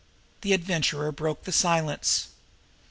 The Adventurer broke the silence.